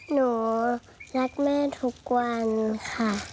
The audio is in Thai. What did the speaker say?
หนูรักแม่ทุกวันค่ะ